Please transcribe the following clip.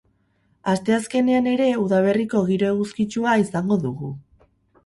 Asteazkenean ere udaberriko giro eguzkitsua izango dugu.